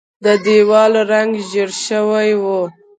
د دیوال رنګ ژیړ شوی و.